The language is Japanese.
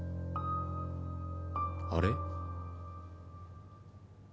あれ？